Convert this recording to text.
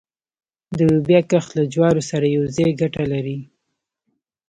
د لوبیا کښت له جوارو سره یوځای ګټه لري؟